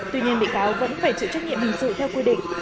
tuy nhiên bị cáo vẫn phải chịu trách nhiệm